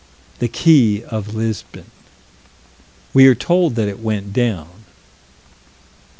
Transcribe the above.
The quay of Lisbon. We are told that it went down.